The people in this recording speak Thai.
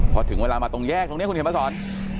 พอถึงเวลามาตรงแยกตรงนี้คุณเขียนมาสอน